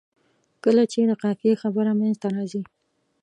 کله چې د قافیې خبره منځته راځي.